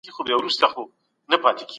موږ په دغې ډوډۍ کي پياز واچول.